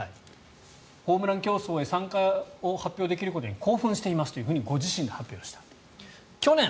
ホームラン競争への参加を発表できることに興奮していますとご自身が発表した。